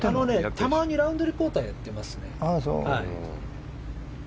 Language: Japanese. たまにラウンドリポーターやっていますね。